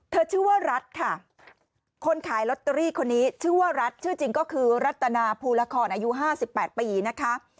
ชื่อว่ารัฐค่ะคนขายลอตเตอรี่คนนี้ชื่อว่ารัฐชื่อจริงก็คือรัตนาภูละครอายุ๕๘ปีนะคะ